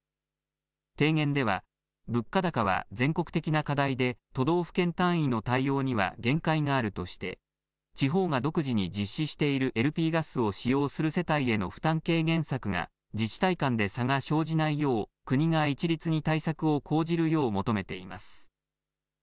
提言では物価高は全国的な課題で都道府県単位の対応には限界があるとして地方が独自に実施しているＬＰガスを使用する世帯への負担軽減策が自治体間で差が生じないよう国が一律に対策を講じるよう求めています。